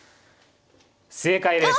正解です。